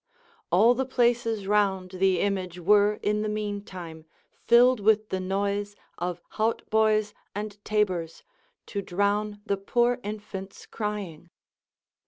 Λ11 the places round the image were in the mean time filled with the noise of hautboys and tabors, to drown the poor infants' crvinof.